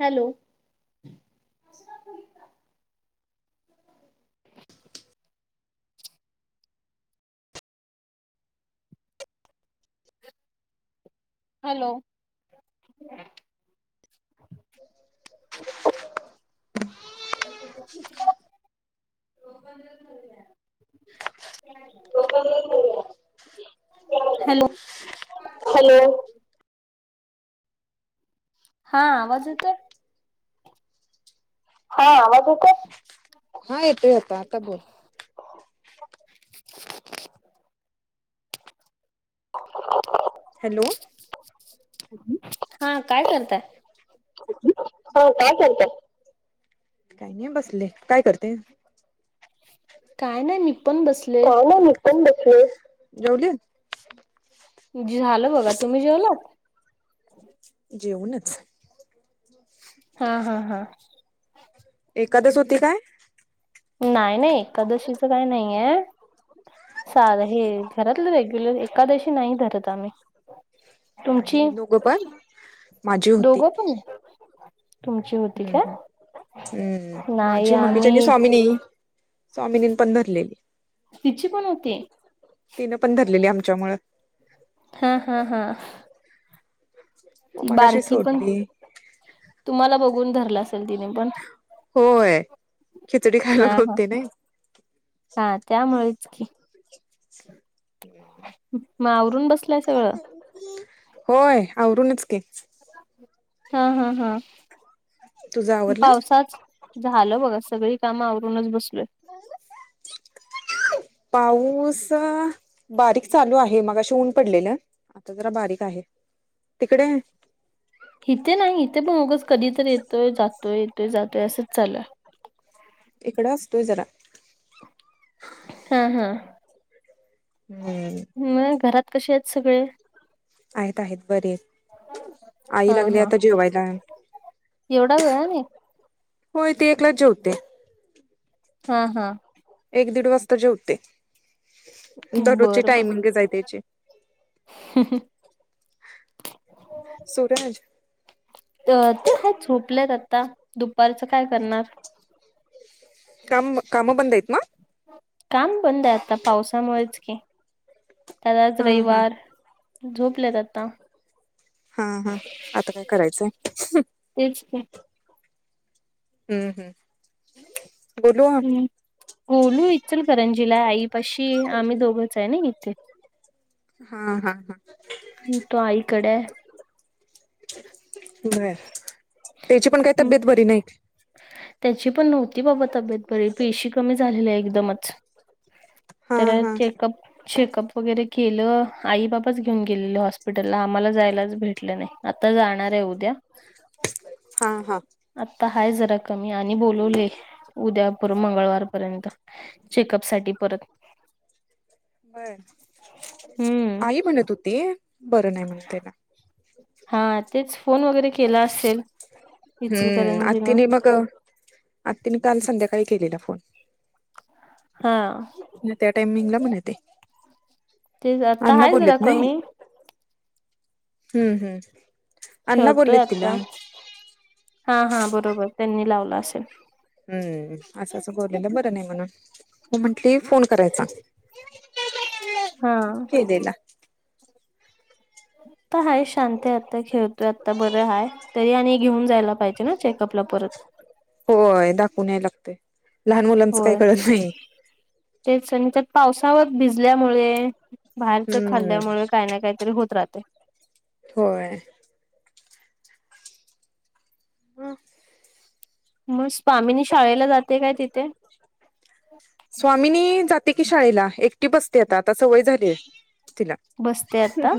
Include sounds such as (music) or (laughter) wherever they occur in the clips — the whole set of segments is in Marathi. हॅलो हॅलो (inaudible) (unintelligible) मोबाईलवर बोलूया हॅलो हॅलो हा, आवाज येतोय? हा, आवाज येतोय? हा येतोय - येतोय आता बोल (inaudible) हॅलो हा काय करताय? हा काय करताय. काई नइ बसले तू काय करते? काय नाई मी पन बसले. काय नाही मी जेवली झालं बगा तुमी जेवलात. जेऊनच हा हा हा. एकादस होती काय? नाइ नाई एकादशीच काइ नाईये साधं हे घरातलं रेग्युलर एकादशी नाई धरत आमी. दोघ पन माजी होती. दोघं पण तुमची होती हम्म का? हम् हम्म नाही माझी, मम्मीची आणि आम्ही स्वामिनी. स्वामिनीनं पन धरलेली तिची पण होती. तिनं पन धरलेली आमच्यामुंळं. हा हा हा. मग ती मगाशी बारकी पन सोडली तुमाला बगून धरला असेल तिने पन होय खिचडी खायला हा हा होतय नइ. हा त्यामुळेच की. (unintelligible) मग आवरून बसलाय सगळं. होय आवरूनच की. हा हा हा तुझं आवरलं? पावसाच झालं बगा सगळी कामं आवरूनच बसलोय. पाऊस बारीक चालू आहे मगाशी ऊन पडलेलं. आता जरा बारीक आहे तिकडे. हिते नाई इथे पन उगच कदी तर येतोय जातोय येतोय जातोय असंच चालूय. ईकडं आसतोय जरा. हा. हा. हम्म. मग घरात कशी आहेत सगळे? आहेत आहेत बरे आहेत. आई हा लागली हा आता जेवायला. एवढा वेळाने होय ती एकलाच जेवते. हा. हा. एक दीड वाजता जेवते. दररोजची बरं बर. टायमिंगच आहे त्याची हम् ह सुरज अ ते आहे झोपलेत आता दुपारचं काय करणार. काम कामं बंद आहेत ना? काम बंद आहे आता पावसामुळेच की. त्यात आज हा हा रविवार झोपलेत आता. हा हा आता काय करायचंय. तेच की हम्म हम्म गोलू हम्म गोलू इचलकरंजीला आई पाशी आम्ही दोघंच आहे ना इथे. हा हा हा हुं तो आईकडे. बरं त्याची पण काई तब्येत बरी नाई. त्याची पण नव्हती बाबा तब्येत बरी पेशी कमी झालेल्या एकदमच. हा तर हा चेकअप चेकअप वगैरे केलं आई बाब् बाबाच घेऊन गेलेले हॉस्पिटलला आम्हाला जायलाच भेटलं नाई आता जाणारे उद्या. हा हा. आता हाय जरा कमी आणि बोलवले उद्या पर मंगळवार पर्यंत. चेकअप साठी परत. बर हम्म आई म्हणत होती बरं नाई म्हण त्याला. हां तेच फोन वगैरे केला असेल इचूलकरंजीनं. मग. आत्ती नि काल संध्याकाळी केलेला फोन. हा. त्या टाइमिंगला म्हणे ते. तेच आता अण्णा आहे जरा बोल्लेत नाई. कमी हम्म हम्म अण्णा बोललेत तिला. हां हां बरोबर त्यांनी लावला असेल. हम्म असं असं बोललेलं बरं नई म्हणून, म म्हटली फोन करायचा. हा. केलेला. त हाय शांतय आत्ता खेळतोय आत्ता बरं हाय त यानी घेऊन जायला पायजे ना चेकअपला परत. होय दाखवून याय लागतंय लहान मुलांचं काई होय कळलं न्हाई. तेच अणि त्यात पावसावत भिजल्यामुळे बाहेरचं हम्म खाल्ल्यामुळं काय ना काय तरी होत राहतंय. होय. अ म स्वामीनी शाळेला जाते काय तिथे. स्वामीनी जाते की शाळेला, एक -टी बसते आता, आता सवय झालेय तिला. बसते आता.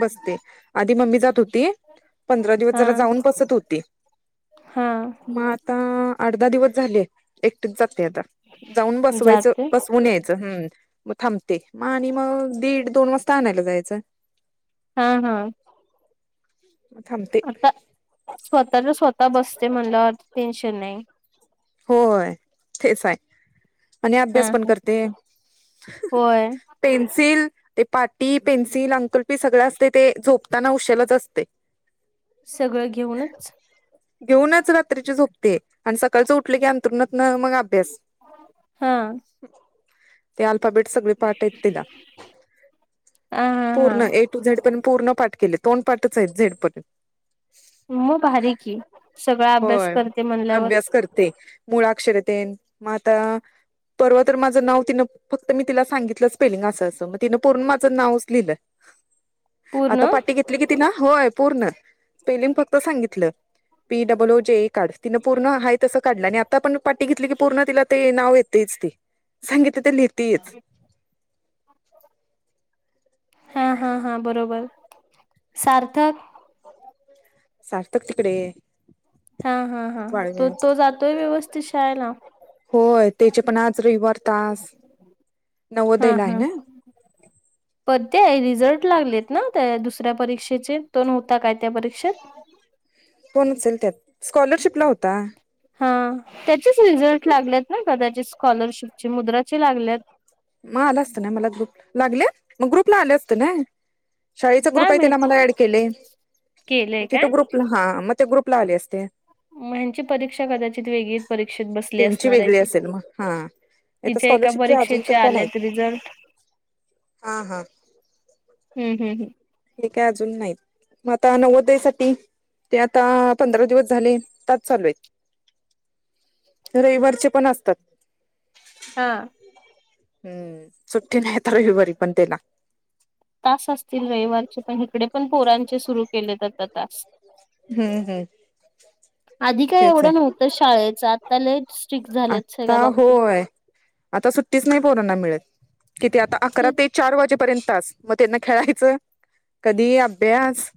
बसते, आधी मम्मी जात होती. पंधरा दिवस हा जरा जाऊन बसत होती. हा आत्ता आठ दहा दिवस झाले. -टीच जाते आता जाऊन बसवायचं जाते बसवून यायचं हम्. म थांबते म आणि म दीड दोन वाजता आणायला जायचं. हां हां. थांबते. आता स्वतःच स्वतः बसते म्हणल्या वर टेन्शन नाई. होय तेचाय. आणि अभ्यास हा पण हा करते, होय पेन्सिल ते पाटी पेन्सिल अंकुल्पी सगळं असते ते झोपताना उशलाच असते. सगळं घेऊनच. घेऊनच रात्रीची झोपते आणि सकाळचं उठलं की अंथरुणातनं मग अभ् तेस हा ते अल्फाबेट सगळे पाठयत तिला हा हा हा पूर्ण ए टु झेडपर्यंत पूर्ण पाठ केले तोंड पाठचेत झेडपर्यंत. मग भारी की सगळा अभ्यास करते म्हणल्यावर चा करते मुळाक्षर तेन मग आता परवा तर माझं नाव तिनं फक्त मी तिला सांगितलं स्पेलिंग असं असं मग तिनं पुर्ण माझं नावच लिहिलं. (inaudible) आता पाठी घेतली कि तिने होय पूर्ण स्पेलिंग फक्त सांगितलं. P double O J A काढ तिंन पूर्ण आहे तसं काढलं आणि आता पण पाटी घेतली की पूर्ण तिला ते नाव येतेच ते सांगितले ते लि (unintelligible) हा हा हा बरोबर सार्थक. सार्थक तिकडे हा हा हा तो वाळव्यात तो जातोय व्यवस्थित शाळेला. होय त्याचे पण आज रविवार तास हा नवोदयला आहे ना. (unintelligible) पण ते रिझल्ट लागलेत ना त्या दुसऱ्या परीक्षेचे तो नव्हता काय त्या परीक्षेत? तो असेल त्यात स्कॉलरशिप ला होता. हा त्याचेच रिझल्ट लागलेत ना कदाचित स्कॉलरशिपची मुद्राचे लागल्यात. मग आलं असतं ना मला ग्रुप लागले मग ग्रुपला आले असते ना. शाळेचा ग्रुप काय आहे त्याला माहिती मला ऍड केले म केलंय तिथ काय हा मग त्या ग्रुपला आले असते. मग यांची परीक्षा कदाचित वेगळीच परीक्षेत बसली त्यांची असणार आहे वेगळी ती. असेल मग हा आता तिच्या एका स्कॉलरशिपचे अजून परीक्षेचे तर काय आल्यात नाहीत रिझल्ट. हा हा हम्म. हम्म. हम्म. हे काय अजून नाही मग आता नवोदया साठी ते आता पंधरा दिवस झाले तास चालू आहेत. रविवारचे पण असतात. हा हम्म सुट्टी नाही आता रविवारी पण त्याला. तास असतील रविवारचे पण इकडे पण पोरांचे सुरू केलेत आता तास हम्म हम्म आधी काय तेच एवढं आहे नव्हतं शाळेच आता लय स्ट्रिक झालेत सगळ्या आता बाबतीत. होय आता सुट्टीच नाही पोरांना मिळत किती आता अकरा ते चार वाजेपर्यंतच तास मग त्यांना खेळायचं कधी अभ्यास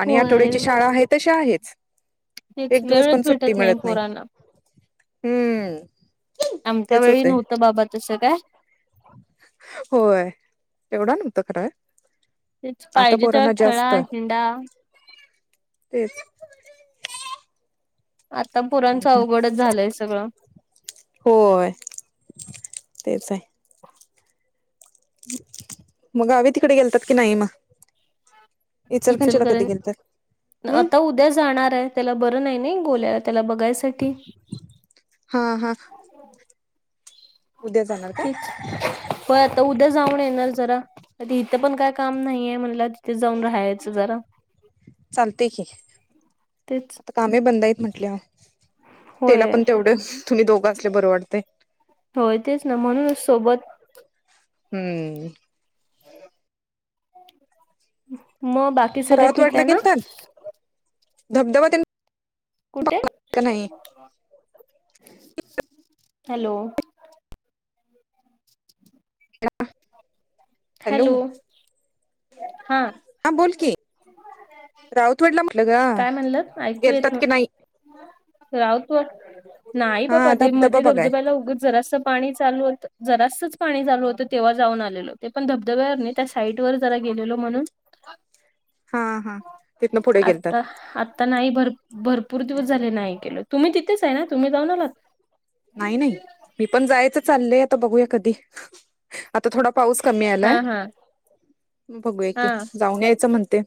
आणि होय आठवड्याची शाळा आहे तशी आहेच. तेच एक दिवस वेळच पण सुट्टी भेटत नाही मिळत पोरांना. हम्म. आमच्या तेच वेळी होतय नव्हतं बाबा तसं काय. होय एवढा नव्हतं खरं. तेच आता पाहिजे तेव्हा पोरांना जास्त खेळा हिंडा तेच आता पुरांचं अवघडच झालंय सगळं. होय तेच आहे. मग गावी तिकडे गेलतात की नाही मग. इचलकरंजीला कधी इचलकरंजी गेलतात हम्म. आता उद्या जाणार आहे त्याला बरं नाही नाही गोल्याला त्याला बघायसाठी. हा. हा. उद्या जाणार. का? तेच होय आता उद्या जाऊन येणार जरा. इथं पण काय काम नाहीय म्हणलं तिथे जाऊन राहायचं जरा. चालतय की तेच आता कामहि बंद आहेत म्हटल्या वर. तेला होय पण तेवढ तुम्ही दोघं असल्यावर बरं वाटतय. होय तेच ना म्हणूनच सोबत. हम्म. मग बाकी सगळे रावत ठीक वाटल आहे ना कीर्तन धबधबा तेनं कुठे? हॅलो! हॅलो! हा. हा बोलकी रावत वडला काय म्हणलात ऐकू येत नव्हतं? रावतवड नाही बाबा हा ते धबधबा मध्ये बघाय धबधब्याला उग जरास पाणी चालू होत जरासच पाणी चालू होतं तेव्हा जाऊन आलेलो ते पण धबधब्यावर नाही त्या साईट वर जरा गेलेलो म्हणून. हा हा. तिथन पुढे गेल आ आता नाही भर भरपूर दिवस झाले नाही गेलो, तुम्ही तिथेचय ना तुम्ही जाऊन आलात? नाही नाही मी पण जायचं चाललंय आता बघूया कधी आता थोडा पाऊस कमी यालाय, हा हा बघूया की हा जाऊन यायचं म्हणतेय.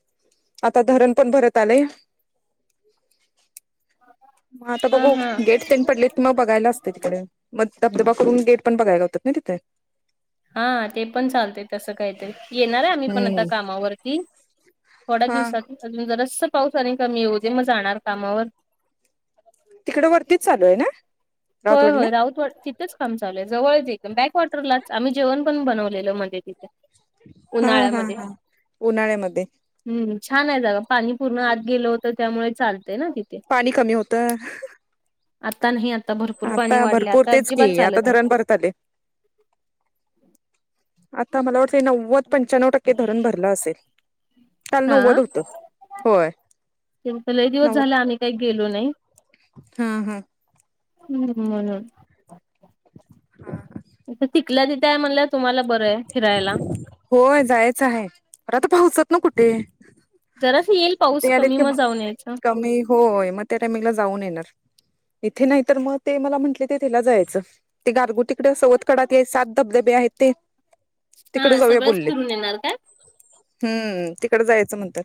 आता धरण पण भरत आलय. मग आता हा बघू हा गेट तेनं पडलेत. मग बघायला असते तिकडे मग धबधबा करून गेट पण बघाय जातोत ना तिथे? हा ते पण चालतय तस काहीतरी येणार आहे आम्ही पण आता हम्म कामावरती. थोड्या हा दिवसात अजून जरास पाऊस आणि कमी येऊ दे मग जाणार कामावर. तिकड वरतीच चालूय ना? होय राऊतवाडीला होय राऊत वरतीच. तीतच काम चालूय जवळच एकदम डायवॉटरलाच आम्ही जेवण पण बनवलेल मध्ये तिथे. हा हा उन्हाळ्यामध्ये हा उन्हाळ्यामध्ये. हम्म छान आहे जागा पाणी पूर्ण आत गेलं होतं त्यामुळे चालतय ना तिथे. पाणी कमी होतं. आता नाही आता भरपु आता भरपूर तेच की आता धरण भर त आले आता मला वाटतय नव्वद पंच्यान्नव टक्के धरण भरलं असेल, काल हा नव्वद होत होय. लय दिवस झाल आम्ही काय गेलो नाही. हां हां. हम्म म्हणून. आता तिथल्या तिथ आहे म्हणल्या वर तुम्हाला बरंय फिरायला. होय जायाचं हाय पर आता पावसातन कुठे? जरास येईल पाऊस ते कमी आलेत की मग जाऊन यायच. कमी होय मग त्या टाईमिंगला जाऊन येणार इथे नाही तर मग ते मला म्हटले तेथिला जायाचं. ते गारगुटीकडे सवतकडा ते सात धबधबे आहेत ते. हा तिकडे जाऊया सगळंच बोललेत फिरून येणार का? हम्म तिकड जायचं म्हणत्यात.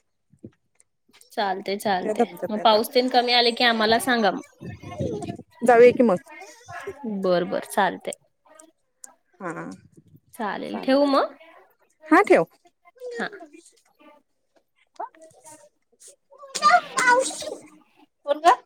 चालतय चालतय, मग पाऊस तेन कमी आला की आम्हाला सांगा मग. जाऊया की मग. बर बर चालतय. हां. चालेल ठेवू म‌ग, ठेव हां. (inaudible) कोण गं?